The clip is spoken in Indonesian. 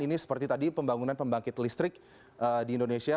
ini seperti tadi pembangunan pembangkit listrik di indonesia